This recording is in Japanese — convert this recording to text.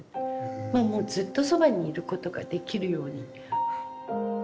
まあもうずっとそばにいることができるように。